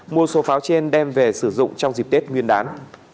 mua số pháo trên đem về sử dụng trong dịp tết nguyên đán